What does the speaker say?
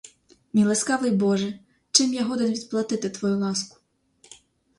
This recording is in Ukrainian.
Мій ласкавий боже, чим я годен відплатити твою ласку?